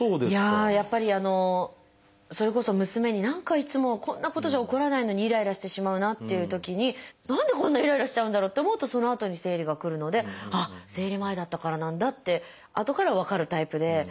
やっぱりそれこそ娘に何かいつもこんなことじゃ怒らないのにイライラしてしまうなっていうときに何でこんなイライラしちゃうんだろうって思うとそのあとに生理がくるのであっ生理前だったからなんだってあとから分かるタイプで。